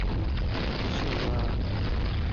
香港佑宁堂是香港基督教协进会的会员教会。